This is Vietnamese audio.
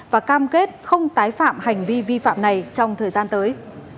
và cam kết không tái phạm hành vi vi phạm này trong thời gian tới